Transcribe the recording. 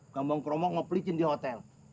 gampang kromok mau pelicin di hotel